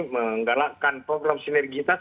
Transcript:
menggalakkan program sinergitas